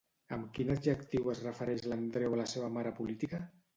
Amb quin adjectiu es refereix l'Andreu a la seva mare política?